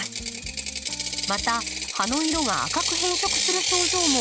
また葉の色が赤く変色する症状も現れます。